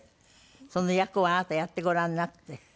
その役をあなたやってごらんになって。